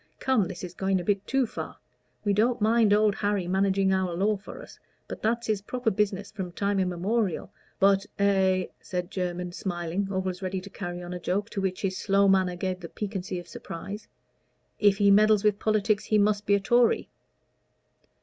Come, this is going a bit too far. We don't mind Old Harry managing our law for us that's his proper business from time immemorial; but " "But a " said Jermyn, smiling, always ready to carry on a joke, to which his slow manner gave the piquancy of surprise, "if he meddles with politics he must be a Tory."